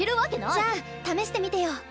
じゃあ試してみてよ。